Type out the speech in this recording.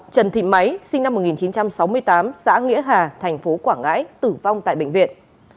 sáu trần thị máy sinh năm một nghìn chín trăm sáu mươi tám xã nghĩa hà tp quảng ngãi tử vong tại bệnh viện